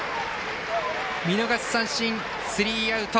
見逃し三振、スリーアウト。